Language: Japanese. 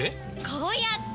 こうやって！